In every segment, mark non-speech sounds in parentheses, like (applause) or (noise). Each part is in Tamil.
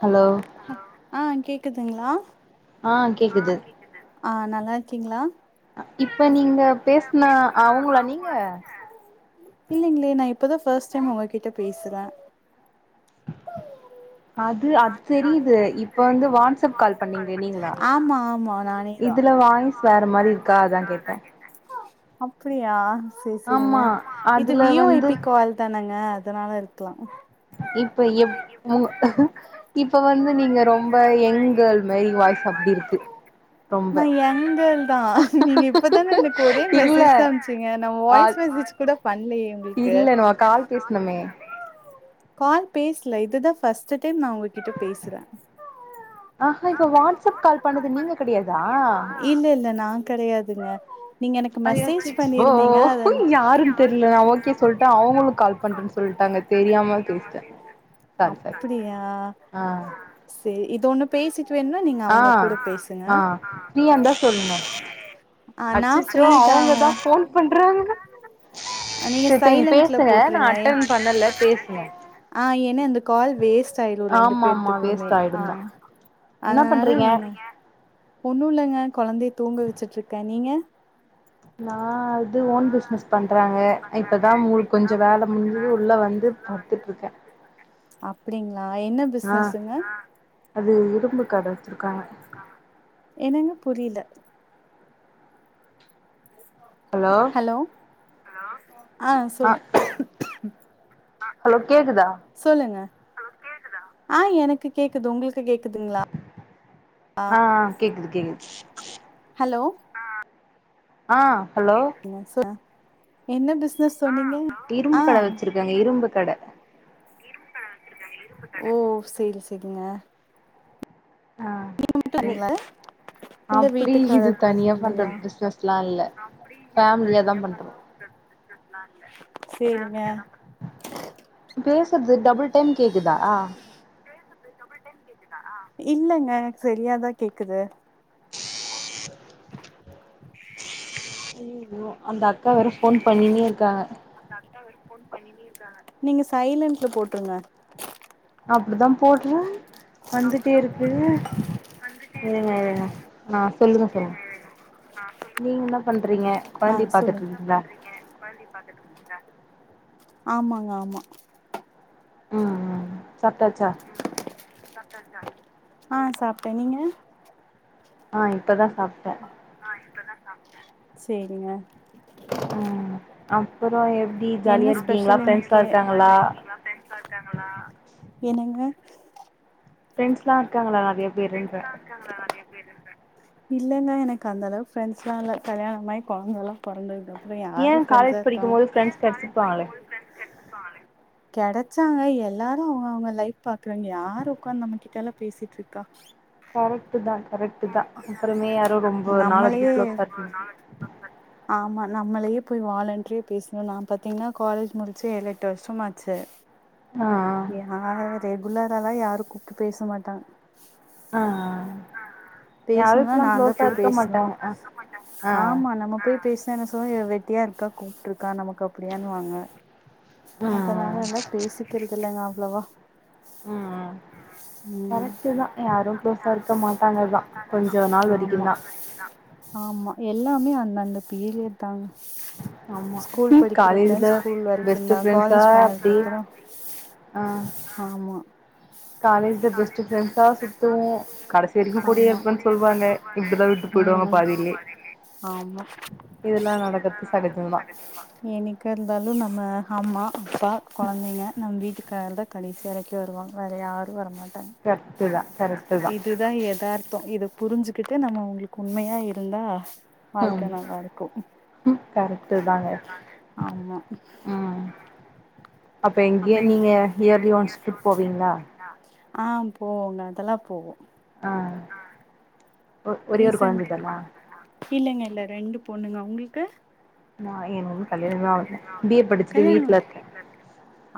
ஹலோ ஆ கேக்குதுங்ளா ஆ கேக்குது ஆ நல்லாருக்கீங்ளா இப்ப நீங்க பேசுனா அவுங்களா நீங்க இல்லைங்ளே நா இப்போதா ஃபஸ்ட் டைம் ஒங்ககிட்ட பேசுறே அது அது தெரியிது இப்ப வந்து வாட்ஸ்அப் கால் பண்ணீங்ளே நீங்களா ஆமா ஆமா நானேதா இதுல வாாய்ஸ் வேற மாரி இருக்கா அதா கேட்டே அப்டியா செ செரிங்க ஆமா இது அதுல வி யோ ஐ வந்து பி கால் தானங்க அதனால இருக்லா இப்ப எப் நூ இப்ப வந்து நீங்க ரொம்ப எங்கேள் மாரி வாய்ஸ் அப்டி இருக்கு ரொம்ப நா எங்கேள் தா நீங்க இப்பதான எனக்கு ஒரே இல்ல மெசேஜ்தா அமிச்சீங்க நா ஆ வாய்ஸ் மெசேஜ் கூட பண்லையே உங்கள்க்கு இல்ல நம்ம கால் பேசுனமே கால் பேசல இதுதா ஃப்ஸ்ட்டு டைம் நா உங்ககிட்ட பேசுறே ஆஹா இப்ப வாட்ஸ்அப் கால் பண்ணது நீங்க கெடையாதா இல்ல இல்ல நா கெடையாத் துங்க நீங்க எனக்கு மெசேஜ் பண் ஓ யாருன் தெரில நா ஓகே சொல்டே அவங்களு கால் பண்றன் சொல்டாங்க தெரியாம பேசி த அப்டியா ஆ சே இதொண்ணு பேசிட்டு வேணுனா நீங்க அவங்க கூட பேசுங்க ஃப்ரீயா இருந்தா சொல்லுங்க ஆ நா அச்சச்சோ ஃப்ரீ அவங்க தாங்க தா போன் பண்றாங்க செர் செரி நீங்க சைலன்ட்ல பேசுங்க நா போட்ருங்க ஏ அட்டன் பண்ணல பேசுங்க ஆ ஏனா இந்த கால் வேஸ் சாயிரு ரெண்டு ஆமா ஆமா பேத்துக்குமே வேஸ்ட் ஆ ஆயிடுந்தா என்ன அதனால பண்றீங்க நீங்க ஒண்ணுலங்க கொழந்தைய தூங்க வச்சிட்ருக்கே நீங்க நா அது ஓன் பிஸ் னஸ் பண்றாங்க இப்பதா மூல் கொஞ்ச வேல முடிஞ்சது உள்ள வந்து படுத்துட்ருக்கே அப்படிங்ளா என்ன ஆ பிசினஸ்ங்க அது இரும்பு கட வச்சிருக்காங்க என்னங்க புரியல ஹலோ ஹலோ ஆஹ் ஆ சொல்லு ஹலோ கேக்குதா சொல்லுங்க ஆஹ் எனக்கு கேக்குது உங்களுக்கு கேக்குதுங்ளா ஆஹ் கேக்குது கேக்குது ஹலோ ஆஹ் என்ன பிசினஸ் சொன்னீங்க திரும்பு ஆ கடை வச்சிருக்காங்க இரும்பு கடை ஓ சேரி சேரிங்க ஆ (inaudible) வீட்லைங்களா இல்ல அப்டி இது வீட்டுக்காரர் கூட தனியா பண்ற சேர்ந்துங்களா பிசினஸ்லா இல்ல ஃபேமிலியா தா பண்றோ சேரிங்க பேசுறது டபுள் டைம் கேக்குதா (inaudible) டபுல் டைம் கேக்குதா இல்லங்க எனக்கு சரியாதா கேக்குது ஐயையோ அந்த அக்கா வேற ஃபோன் பண்ணினே இருக்காங்க நீங்க சைலன்ட்ல போட்டுருங்க அப்டிதான் போடுறேன் அப்டிதான் போடுறேன் வந்துட்டே இருங்க இருக்கு இருங்க ஆ சொல்லுங்க சொல்லுங்க சேரிங்க நீங்க என்ன பண்றீங்க கொழந்தைய ஆஹ் பாத்துட்டு சொல்லு என்ன இருக்கீங்களா பண்றீங்க கண்டிப்பா ஆமாங்க ஆமா ம் சாப்டாச்சா ஆஹ் சாப்டாச்சா ஆ சாப்பிட்டேன் நீங்க ஆஹ் இப்பதான் சாப்டேன் சேரிங்க அப்புறம் எப்டி ஜாலியா என்ன இருக்கீங்களா ஸ்பெஷல் ஃபரெண்ட்ஸ் லாம் இன்னைக்கு இருக்காங்களா என்னங்க ஃபிரெண்ட்ஸ் லாம் இருக்காங்களா நிறைய பேருன்றேன் (inaudible) இல்லலைங்க எனக்கு அந்த அளவுக்கு பிரண்ட்ஸ்லா இல்ல கல்யாணமாயி குழந்தை எல்லாம் பொறந்ததுக்கு அப்புறம் ஏ யாரு ஃபிரெண்ட்ஸா காலேஜ் இருப்பாங்க படிக்கும் போது ஏன் ஃப்ரெண்ட்ஸ் காலேஜ் கெடச்சிருப்பாங்களே படிக்கும்போது பிரண்ட்ஸ் இருந்துருப்பாங்களே கிடைச்சாங்க எல்லாரும் அவங்க அவங்க லைஃப் பாக்குறாங்க யாரும் உட்காந்து நம்ம கிட்ட எல்லாம் பேசிட்டு இருக்கு கா கரெக்டு தான் கரெக்ட் தான் அப்புறமே யாரும் ரொம்ப நாளு வரைக்கும் க்ளோஸா இருக்க மாட்டாங் ஆ ஆமா நம்மளையே போயி வாலண்டரியாக பேசணும் நான் பார்த்திங்கன்னா காலேஜ் முடிச்ச ஏழு எட்டு வருஷம் ஆச்சு (inaudible) ஹெலோ யாரும் ரெகுலரால்லா யாரும் பேச மாட்டாங்க ஆஹ் பேசணும்னா நான் தான் போயி மாட்டாங்க பேசணும் ஆ ஆ ஆமா நம்ம போய் பேசனா என்ன சொன்னீங்க வெட்டியா இருக்கா கூப்பிட்டு இருக்கா நமக்கு அப்டியான்னுவாங்க ம் அதனாலலா பேசிக்கிறது இல்லலைங்க அவ்ளவா ம் ம் கரெக்ட்டு தா யாரு தர்க மாட்டாங்க தா கொஞ்ச நாள் வரிக்கு தா ஆமா எல்லாமே அந்தந்த பீரியர் தாங் ஆமா‌ டி காலேஜ்ல வரைக்கு பெஸ்ட் தா ஃரெண்ட்ஸா காலேஜ் அப்டி போனதுக்கப்றோ ஆ ஆமா காலேஜ் ல பெஸ்ட் ஃப்ரெண்ட்ஸ சுத்துவோ கடைசி வரைக்கு கூடயே ஆமா இருப்பேன்னு சொல்லுவாங்க இப்டிதா விட்டு போயிடுவாங்க பாதிலே ஆமா இதெல்லா நடக்கற்து சகஜந்தா என்னிக்கா இருந்தாலு நம்ம அம்மா அப்பா கொழந்தைங்க நம்ம வீட்டுக்கார் தா கடேசி வரைக்கி வருவாங்க வேற யாரு வரமாட்டாங்க கரெக்ட்டு தா கரெக்ட்டு தா இதுதா எத தார்த்தோ இத புரிஞ்சுகிட்டு நம்ம அவுங்ளுக் உங்ளுக்கு உண்மையா இருந்தா ஆமா வாழ்க்க நல்லா இருக்கு ம் கரெக்ட்டு தாங்க ஆமா ம் அப்ப எங்கியு நீங்க இயர்லி ஒன்ஸ் ட்ரிப் போவீங்ளா ஆ போவோங்க அதெல்லா போவோ ஆ ஒ ஒரே ஒரு கொழந்த டீசன்ட் தானா இல்லங்க இல்ல ரெண்டு பொண்ணுங்க உங்கள்க்கு நா என்க் இன்னு கல்யாணமே ஆவல பி எட் படிச்சுட்டு வீட்லர்க்கே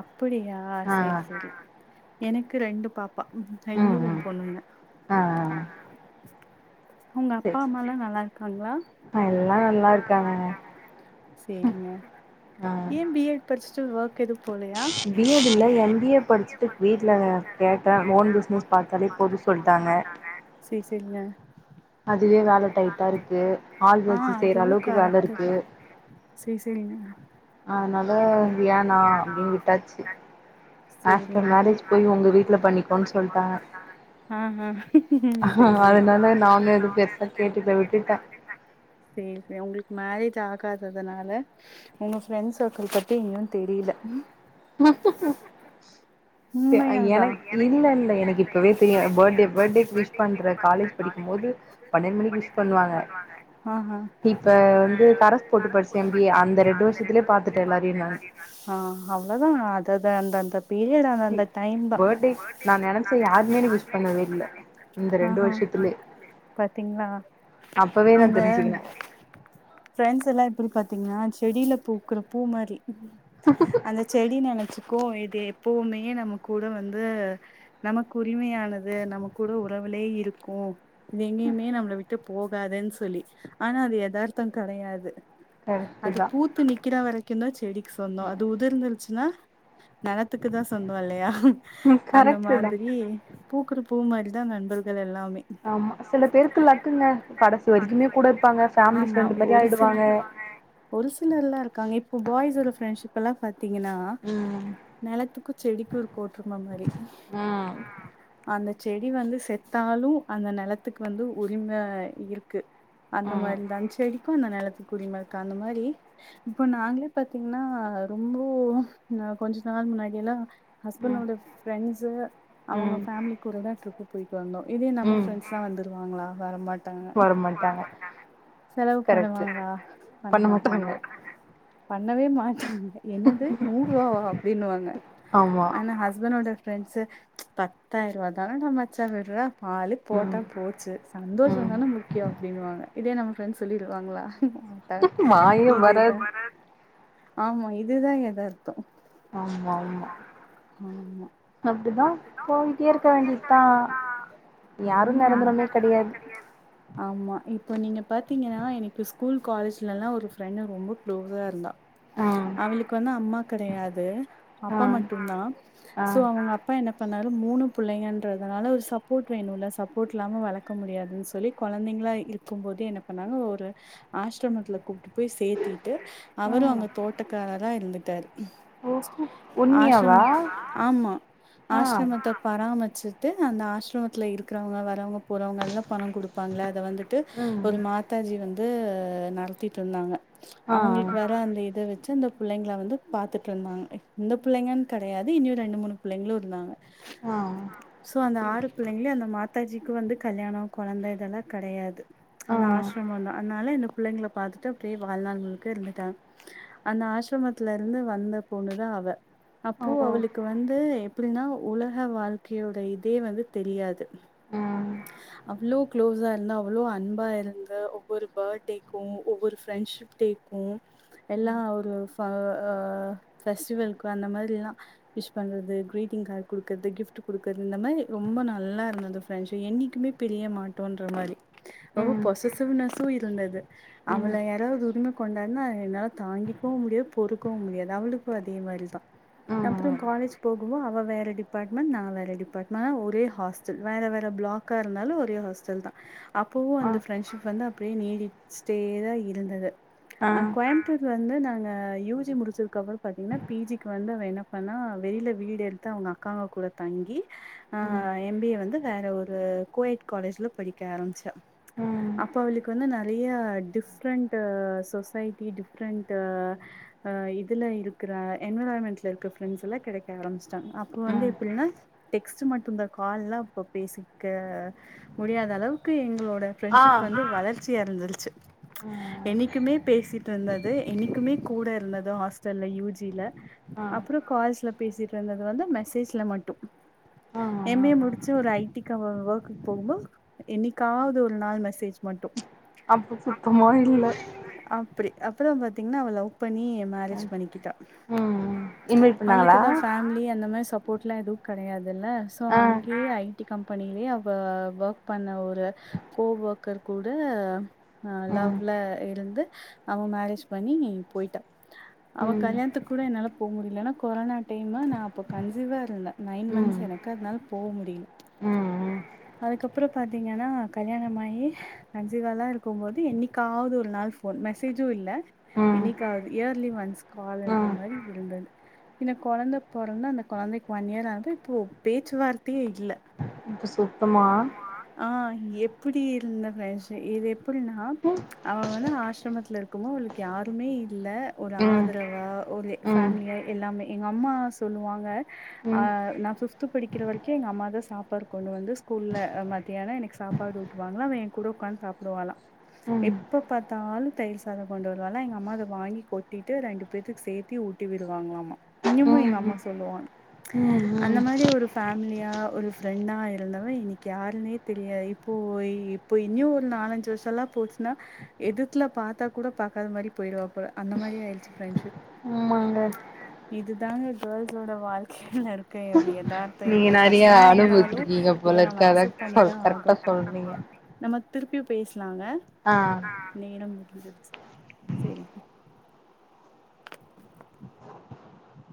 அப்புடியா சேர் செரி எனக்கு ரெண்டு பாப்பா ம் ரெண்டும் ம் பொண்ணுங்க ஆ உங்க அப்பா சேரி அம்மாலா நல்லா இருக்காங்ளா சேரி எல்லா நல்லா இருக்காங்கங்க செரிங்க ஆ ஏ பி எட் படிச்சுட்டு ஒர்க் எது பி எட் இல்ல எம் பி ஏ படிச்சுட்டு வீட்லதா கேட்ட ஓன் பிஸ்னஸ் பாத்தாலே போது சொல்ட்டாங்க சேர் செரிங்க அதுவே வேல டைட்டா இருக்கு ஆள் வச்சு செய்ற அளவுக்கு வேல இருக்கு சேர் செரிங்க அதனால வியானா அப்டின் விட்டாச்சு ஆஃப்டர் சரிங்க மேரேஜ் போய் உங்க வீட்ல பண்ணிக்கோன்னு சொல்ட்டாங்க ஆஹ சேரிங்க அதனால நானு எது பெருசா கேட்டுட்போய் விட்டுட்டே செரிங் சரி உங்ளுக்கு மேரேஜ் ஆகாததுனால உங்க ஃப்ரெண்ட்ஸ் சர்கிள் பத்தி இங்கயு தெரில (inaudible) உண்மையாதா எனக் இல்லல்ல எனக்கு இப்பவே தெரியு பர்டே பர்டே விஷ் பண்ற காலேஜ் காலேஜ் படிக்கும் போது பன்னென்ட் மணிக் விஷ் பண்ணுவாங்க ஆஹா இப்ப வந்து கரஸ் போட்டு படுச்ச எம் பி ஏ அந்த ரெண்டு வருஷத்துலே பாத்துட்ட எல்லாரையு நானு ஆ அவ்ளதா அததுது அந்தந்த பீரியட் அப் ப அந்த டைம்தா பர்த்டே நா நெனச்ச யாருமே எனக்கு விஷ் பண்ணவே இல்ல இந்த ரெண்டு வருஷத்துலே பாத்தீங்ளா அப்பவே நா இந்த தெரிஞ்சுக்கினே ஃபிரெண்ட்ஸ் எல்லா எப்டி பாத்தீங்ளா செடில பூக்குற பூ மாரி அந்த செடி நெனச்சுக்கோ இது எப்பவுமே நம்ம கூட வந்து நமக்கு உரிமையானது நம கூட உறவுலேயே இருக்கு இது எங்கேயுமே நம்மள விட்டு போகாதுன்னு சொல்லி ஆனா அது யதார்த்த கெடையாது கரெக்ட்டு அது தா பூத்து நிக்கிற வரைக்குந்தா செடிக்கு சொந்தோ அது உதிர்ந்துருச்சுன்னா நெலத்துக்கு தா சொந்தோ இல்லையா ம் அந்த கரெக்ட்டு தா மாதிரி பூக்குற பூ மாரிதா நண்பர்கள் எல்லாமே ஆமா சில பேருக்கு லக்குங்க கடசி வரைக்குமே கூட இருப்பாங்க ஃபேமிலி ஆமா ஃப்ரெண்டு் மாரி ஒரு ஆய்டுவாங்க சில ஒரு சிலர்ல்லா இருக்காங்க இப்போ பாய்ஸ் ஒட ஃப்ரெண்ட்ஷிப் எல்லா பாத்தீங்கன்னா ம் நெலத்துக்கு செடிக்கு இருக்க ஒற்றும மாரி ம் அந்த செடி வந்து செத்தாலு அந்த நெலத் த்துக்கு வந்து உரிம இருக்கு அந்த ம் மாரிதா அஞ் செடிக்கு அந்த நெலத் குடிமக் அந்த மாறி இப்போ நாங்களே பாத்தீங்கன்னா ரொம்போ கொஞ்ச நாள் முன்னாடியல்லா ம் ஹஸ்பண்டோட ஃரெண்ட்ஸ்சு அவங்க ம் ஃபேமிலிக்கு கூடாத ட்ரிப் போயிட்டு வந்தோ இதே நம்ம ம் பிரெண் ட்ஸ்ல வந்துருவாங்களா வர மாட் ஆ வரமாட்டாங்க செலவு கரெக்ட்டு பண்ணுவாங்கள பண்ண மாட்டாங்க பண்ணவே மாட்டாங்க என்னது நூறு ரூபாவா அப்டின் வாங்க ஆமா ஆனா ஹஸ்பண்வோட ப்ரெண்ட்ஸ்சு பத்தாயிரூவா தானடா மச்சா விட்றா ஆளுக் போட்டா ம் போச்சு சந்தோசோ ம் தானே முக்கியம் அப்டின்வாங்க இதே நம்ம ஃப்ரெண்ட் சொல்லிருவாங்களா தா வாயே இதுதா வராது ஆமா இதுதான் எதார்த் ஆமா ஆமா ஆமா அப்டிதா போயிட்டே இருக்க வேண்டியதா யாரு ஆமா நெரந்தரமே கெடையாது ஆமா இப்போ நீங்க பாத்தீங்கன்னா எனக்கு ஸ்கூல் காலேஜ்லல்லா ஒரு ஃப்ரெண்ட ரொம்ப குளோஸா இருந்தா ஆ அவிங்களுக்கு வந்து அம்மா கிடையாது ஆ அப்பா மட்டுதா ஆ சோ அவங்க என்ன பண்ணாரு மூணு பிள்ளங்கன்றதுனால ஒரு சப்போர்ட் டு வேணும்ல சப்போர்ட்லாம வளர்க்க முடியாதுன்னு சொல்லி குழந்தைங்களா இருக்கும் போதே என்ன பண்ணாங்க ஒரு ஆஸ்ரமத்துல கூப்ட்டு போய் சேத்திட்டு அவரு ஆ அங்க தோட்டக்காரரா இருந்துட்டாரு ஓஹோ ஆமா உண்மையாவா ஆஸ்ரமத் ஆமா ஆ ஆஸ்ரமத்த பாரம்மரிச்சுட்டு அந்த ஆஸ்ரமத்துல இருக்றவங்க வரவங்க போறவங்க எல்லா பணம் கொடுப்பாங்கள அத வந்துட்டு ம் ஒரு மாத் தாஜி வந்து நடத்திட்டு இருந்தாங்க ஆ அவங்களுக்கு வற அந்த இத வச்சு அந்த பிள்ளைங்க வந்து பாத்துட்டுருந்தாங்க இந்த பிள்ளைங்க கெடையாது இன்னிரு ரெண்டு மூணு பிள்ளைகளும் இருந்தாங்க ஆ சோ அந்த ஆறு பிள்ளைங்களையு அந்த மாதாஜிக்கு வந்து கல்யாணோ கொழந்த இதெல்லா கெடையாது அந்த ஆ ஆஸ்ரமோலா அனால இந்த பிள்ளங்கள பாத்துட்டு அப்டியே வாழ்நாள் முழுக்க இருந்துட்டாங் அந்த ஆஸ்ரமத்துல இருந்து வந்த பொண்ணுதா அவ அப்போ ஓ அவளுக்கு வந்து எப்டின்னா உலக வாழ்க்கையோட இதே வந்து தெரியாது ம் அவ்ளோ க்ளோஸா இருந்தா அவ்ளோ அன்பா இருந்த ஒவ்வொரு பர்த்டடேக்கு ஒவ்வொரு ஃப்ரெண்ட்ஷிப் டே க்கு எல்லா ஒரு ஃப ஆ பெஸ்டிவல்கு அந்த மாரில்லாம விஷ் பண்றது கிரீட்டிங் கார்டு கொடுக்குது கிஃப்ட் குடுக்குறது இந்த மாரி ரொம்ப நல்லா இருந்தது ஃரெண்ட்சு என்னைக்குமே பெரிய மாட்டோன்ற மாரி ரொம்ப ம் போசசிவ்நெஸ் உ இருந்தது ம் அவல யாராவது உரிம கொண்டானா என்னால தாங்கிக்கவும் முடியாது பொறுக்கவும் முடியாது அவளுக்கும் அதே மாறிதான் அப்புறம் ம் காலேஜ் போகவும் அவ வேற டிபார்ட்மெண்ட் நான் வேற டிப்பார்ட்மென்ட் நா ஒரே ஹாஸ்டல் வேற வேற பிளாக்கா இருந்தாலும் ஒரே ஹாஸ்டல் தான் அப்பவும் ஆ அந்த பிரெண்ட்ஷிப் வந்து அப்படியே நீடிச்ட்டேதான் இருந்தது ஆ அ கோயம்பத்தூர் வந்து நாங்க யூ ஜி முடிச்சதுக்குப்புறம் பாத்தீங்கன்னா பி ஜி க்கு வந்து அவ என்ன பண்ணா வெளியில வீடு அவங்க அக்காங்க கூட தங்கி ம் எம் பி ஏ வந்து வேற ஒரு கோயேட் காலேஜில் படிக்க ஆரம்பிச்சா ம் அப்ப அவளுக்கு வந்து நிறையா டிஃப் டிஃபரென்ட் சொசைட்டி டிஃப்ரண்ட் அ இதுல இருக்கிற என்வரான்மெண்ட்ல இருக்க ஃபிராண்ட்ஸ் எல்லாம் கிடைக் ஆரம்பச்சிட்டாங் அப்ப வந்து ம் எப்படின்னா டெக்ஸ்ட் மட்டும் இந்த கால் எலாம் பேசிக்க முடியாத அளவுக்கு எங்களோட ஆ பிரண்ட்ஷிப் வந்து வளர்ச்சி ச்சி அடைஞ்சிருச்சு ம் என்னிக்குமே பேசிட்டு இருந்தது என்னிக்குமே கூட இருந்தது ஹாஸ்டல்ல யூ ஜி ல ஆ அப்புற கால்ஸ்ல பேசிட்டு இருந்தது வந்து மெசேஜ்ல மட்டும் ஆ எம் ஏ முடிச்சு ஒரு ஐ டி க ஒர்க்கு போகும்போது என்னிக்காவது ஒரு நாள் மெசேஜ் மட்டும் அப்ப சுத்தமா இல்ல அப்பிடி அப் அப்புற பாத்தீங்கின்னா அவ லவ் பண்ணி மேரேஜ் பண்ணிக்கிட்டா ம் இன்வைட் பண்ணாங்களா அவுளுக்குதா ஃபேமிலி அந்த மாறி சப்போர்ட் எல்லா எதுவு கிடையாதுல்ல சோ ஆ அங்கயே ஐ டி கம்பெனியிலே அவ ஒர்க் பண்ண ஒரு கோவர்க்கர் கூட ஆ ம் லவ்ல இருந்து அவ மேரேஜ் பண்ணி போயிட்டா அவ ம் கல்யாணத்துக்கு கூட என்னால போ முடில ஆனா கொரோனா டைம் நா அப்ப கன்ஜிவா இருந்தேன் நைன் ம் மந்த்ஸ் எனக்கு அதனால போ முடில ம் ம் அதுக்கப்புறம் பாத்தீங்கின்னா கல்யாணம்மாகி கன்சிவாலா இருக்கு போது என்னிக்காவது ஒரு நாள் ஃபோன் மெசேஜும் இல்ல ம் என்னிக்காவது இயர்லி ஓன்ஸ் கால் என்ற ம் மாறி இருந்தது இன்ன குழந்த பொறந்து அந்த குழந்தைக்கு ஒன் இயர் ஆகுது இப்போ பேச்சுவார்த்தையே இல்ல இப்ப சுத்தமா ஆ எப்பிடி இருந்த மனுச இது எப்பிடின்னா ம் அவ வந்து ஆசிரமத்துல இருக்கவும் அவளுக்கு யாருமே இல்ல ஒரு ம் ஆதரவா ஒரு ம் ம் ஃபேமிலிய எல்லாமே எங்க அம்மா சொல்லுவாங்க நா பிப்து படிக்கிற வரைக்கு எங்கள் அம்மா தா சாப்பாடு கொண்டு வந்து ஸ்கூல்ல மத்தியான எனக்கு சாப்பாடு ஊட்டுவாங்களா அவ என் கூட உட்காந்து சாப்பிடுவாலா ம் எப்ப பாத்தாலு தயிர் சாதம் கொண்டு வருவலா எங்க அம்மா அத வாங்கி கொட்டிட்டு ரெண்டு பேத்துக்கு சேத்தி ஊட்டி விடுவாங்களாம்மா ம் இன்னமும் எங்க ம் அம்மா சொல்லுவாங்க அந்த ம் மாறி ஒரு ஃபேமிலியா ஒரு ஃப்ரெண்டா இருந்த எனக்கு யாருன்னே தெரியாது இப்போ இப்போ இன்னு ஒரு நாலஞ்சு வருஷம் எல்லாம் போச்சுன்னா எதுத்துல பாத்தா கூட பாக்காதமாறி போயிடுவாப்புல அந்த மாறி ஆயிச்சு பிரெண்ட்ஷிப் உம்மாங்க இதுதாங்க கேள்ஸோட வாழ்க்கையையில இருக்க எதார்தம் நீங்க நிறைய அனுபவிச்சிருக்கீங்க நம்ம போலருக்கு அதா அக்செப்ட் கோ பண்ணிதா ஆகணு கரெக்டா சொல்றீங்க நம்ம திருப்பியும் பேசலாங்க ஆ நேரம் முடிஞ்சிச்சி சேரிங்க